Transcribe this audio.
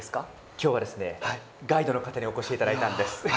今日は、ガイドの方にお越しいただいたんです。